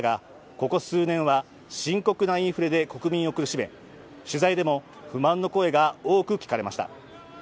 ここ数年は深刻なインフレで国民を苦しめ取材でも不満の声が多く聞かれました。